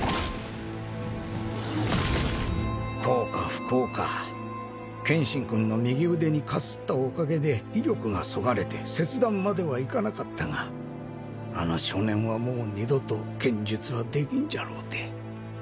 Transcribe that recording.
幸か不幸か剣心君の右腕にかすったおかげで威力がそがれて切断まではいかなかったがあの少年はもう二度と剣術はできんじゃろうて。